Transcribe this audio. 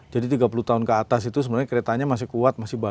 jadi tiga puluh tahun ke atas itu sebenarnya keretanya masih kuat masih bagus